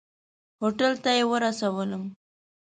هوټل ته یې ورسولم.